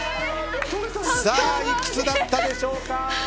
いくつだったでしょうか。